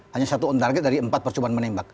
hanya satu on target dari empat percobaan menembak